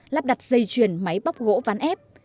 lắp đặt dây chuyền máy bóc gỗ ván ép